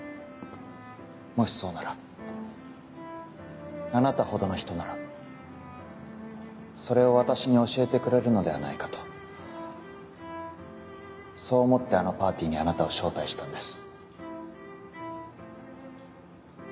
もしそうならあなたほどの人ならそれを私に教えてくれるのではないかとそう思ってあのパーティーにあなたを招待したんです。